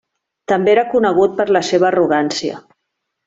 També era conegut per la seva arrogància.